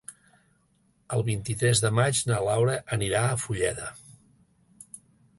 El vint-i-tres de maig na Laura anirà a Fulleda.